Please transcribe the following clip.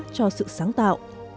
cho sự sáng tạo